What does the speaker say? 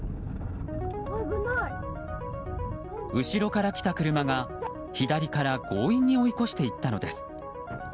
後ろから来た車が左から強引に追い越して行ったのです。